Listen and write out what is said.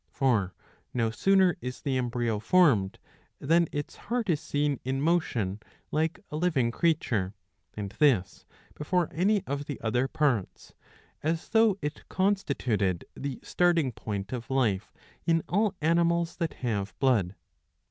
For no sooner is the embryo formed, than its heart is seen in motion like a living creature, and this before any of the other parts, as though it constituted the starting point of life in all animals that have blood.